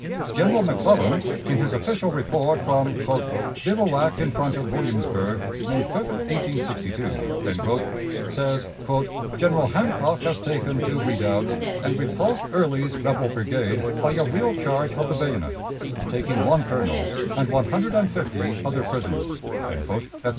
General McClellan, in his official report from "bivouac in front of Williamsburg, May 5, 1862," says, "General Hancock has taken two redoubts and repulsed Early's rebel brigade by a real charge of the bayonet, taking one colonel and one hundred and fifty other prisoners," etc.